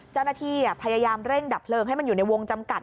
เจ้าหน้าที่พยายามเร่งดับเพลิงให้มันอยู่ในวงจำกัด